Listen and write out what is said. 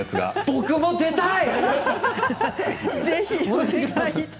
僕も出たい！